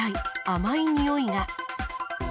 甘いにおいが。